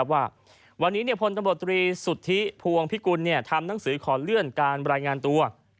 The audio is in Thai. ว่าวันนี้พลตำรวจตรีสุทธิพวงพิกุลทำหนังสือขอเลื่อนการรายงานตัว